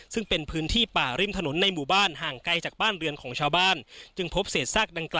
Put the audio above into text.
ซึ่งเป็นพื้นที่ป่าริมถนนในหมู่บ้านห่างไกลจากบ้านเรือนของชาวบ้าน